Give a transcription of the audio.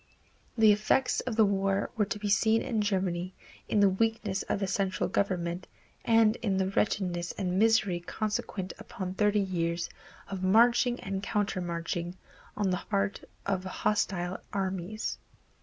The effects of the war were to be seen in Germany in the weakness of the central government and in the wretchedness and misery consequent upon thirty years of marching and countermarching on the part of hostile armies.